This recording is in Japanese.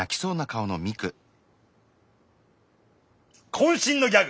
こん身のギャグ！